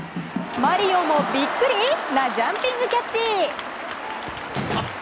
マリオもビックリなジャンピングキャッチ！